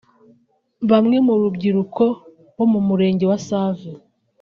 Bamwe mu rubyiruko bo mu murenge wa Save